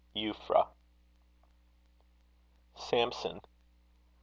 EUPHRA. Samson.